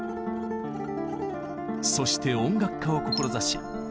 そして音楽家を志し